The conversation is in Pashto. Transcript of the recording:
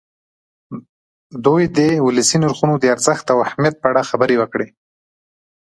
دوی دې د ولسي نرخونو د ارزښت او اهمیت په اړه خبرې وکړي.